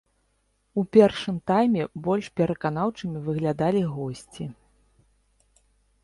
У першым тайме больш пераканаўчымі выглядалі госці.